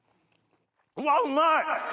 うわうまい！